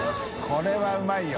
これはうまいよ。